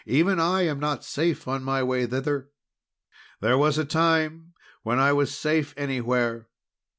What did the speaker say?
Even I am not safe on my way thither. "There was a time when I was safe anywhere.